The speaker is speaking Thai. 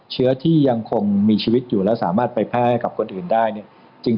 เชื้อที่ยังคงมีชีวิตอยู่และสามารถไปแพร่ให้กับคนอื่นได้เนี่ย